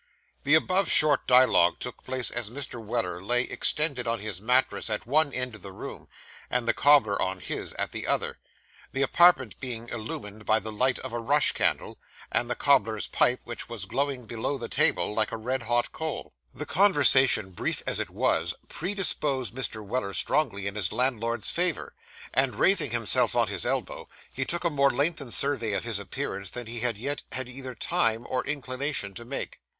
The above short dialogue took place as Mr. Weller lay extended on his mattress at one end of the room, and the cobbler on his, at the other; the apartment being illumined by the light of a rush candle, and the cobbler's pipe, which was glowing below the table, like a red hot coal. The conversation, brief as it was, predisposed Mr. Weller strongly in his landlord's favour; and, raising himself on his elbow, he took a more lengthened survey of his appearance than he had yet had either time or inclination to make.